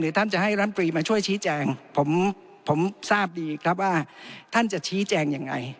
ท่านจะให้รำตรีมาช่วยชี้แจงผมผมทราบดีครับว่าท่านจะชี้แจงยังไง